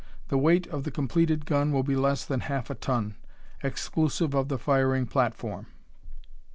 The weight of the completed gun will be less than half a ton, exclusive of the firing platform.